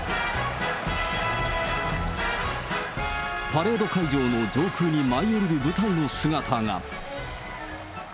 パレード会場の上空に舞い降りる部隊の姿が。